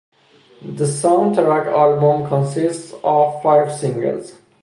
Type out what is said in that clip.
The soundtrack album consists of five singles.